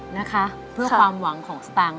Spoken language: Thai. นะคะเพื่อความหวังของสตางค์